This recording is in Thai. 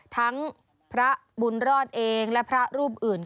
ทั้งพระบุญรอดเองและพระรูปอื่น